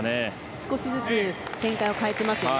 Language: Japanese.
少しずつ展開を変えてますよね。